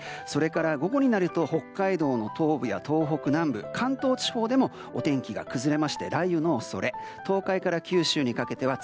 午後になりますと北海道の東部や東北の日本海側関東地方でもお天気が崩れまして雷雨の恐れ。